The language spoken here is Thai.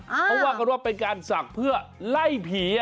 เขาว่ากันว่าเป็นการศักดิ์เพื่อไล่ผี